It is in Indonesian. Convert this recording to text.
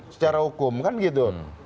secara hukum kan gitu